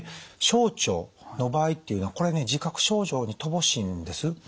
小腸の場合っていうのはこれね自覚症状に乏しいんです。